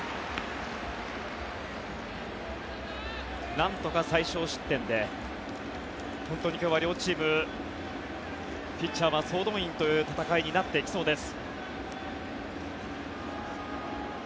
なんとか最少失点で今日は両チームピッチャーは総動員という戦いになっていきそうです。